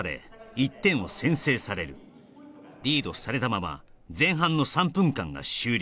１点を先制されるリードされたまま前半の３分間が終了